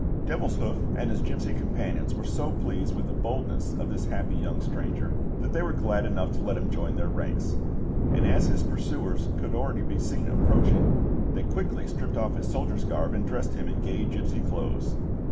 Devilshoof and his gipsy companions were so pleased with the boldness of the hapless young stranger that they were glad enough to let him join their ranks; and as his pursuers could already be seen approaching, they quickly stripped off his soldier's garb and dressed him in gay gipsy clothes.